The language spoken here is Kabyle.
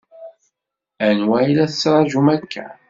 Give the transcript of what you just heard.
Anwa i la tettṛaǧum akka?